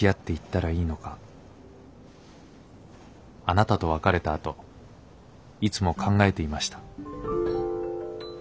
あなたと別れたあといつも考えていました。